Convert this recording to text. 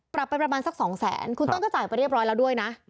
ปรับไปประมาณสัก๒แสนคุณต้นก็จ่ายไปเรียบร้อยแล้วด้วยนะ